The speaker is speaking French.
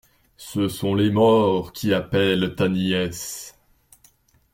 Ce sont les morts qui appellent ta nièce.